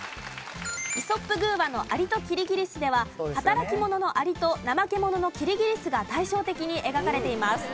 イソップ寓話の『アリとキリギリス』では働き者のアリと怠け者のキリギリスが対照的に描かれています。